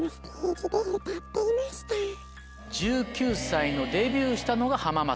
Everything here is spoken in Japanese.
１９歳のデビューしたのが浜松。